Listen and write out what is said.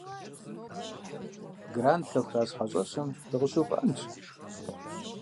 Гранд Кавказ хьэщӏэщым дыкъыщыувыӏэнщ.